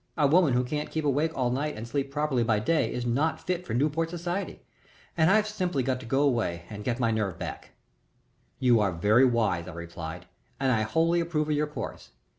A woman who can't keep awake all night and sleep properly by day is not fit for Newport society, and I've simply got to go away and get my nerve back again." "You are very wise," I replied, "and I wholly approve of your course.